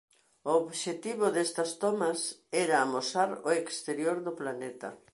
O obxectivo destas tomas era amosar o exterior do planeta.